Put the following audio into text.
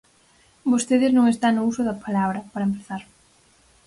Vostedes non está no uso da palabra, para empezar.